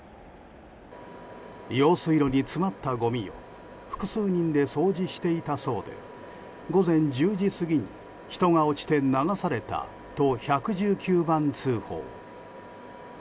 用水路に詰まったごみを複数人で掃除していたそうで午前１０時過ぎには人が落ちて流されたと１１９番通報。